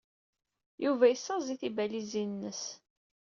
Yuba yessaẓey tibalizin-nnes.